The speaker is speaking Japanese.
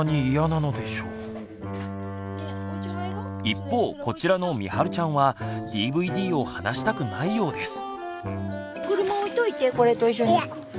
一方こちらのみはるちゃんはＤＶＤを離したくないようです。